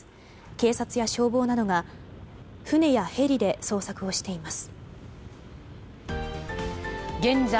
警察や消防などが船やヘリで捜索をしています。